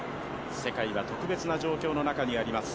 世界は特別な状況の中にあります。